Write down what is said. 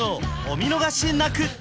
お見逃しなく！